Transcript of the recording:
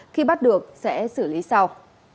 khi bắt được sẽ xử lý sau